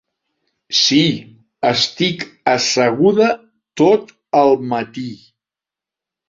Sí, estic asseguda tot el matí.